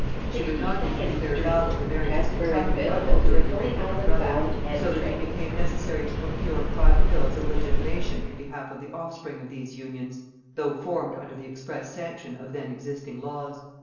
She would not even declare valid the marriages contracted by them during the reign of her brother; so that it became necessary to procure private bills of legitimation in behalf of the offspring of these unions, though formed under the express sanction of then existing laws.